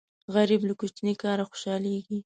غریب له کوچني کاره خوشاليږي